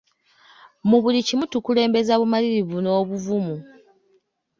Mu buli kimu tukulembeza bumalirivu n'obuvumu.